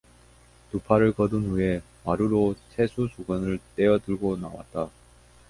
두 팔을 걷은 후에 마루로 세수수건을 떼어 들고 나왔다.